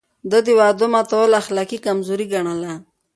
ده د وعدو ماتول اخلاقي کمزوري ګڼله.